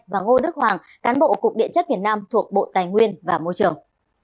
và ngô đức hoàng cán bộ cục điện chất việt nam thuộc bộ tài nguyên và môi trường